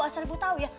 asal ibu tau ya